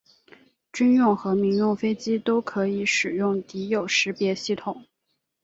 军用和民用飞机都可以使用敌友识别系统。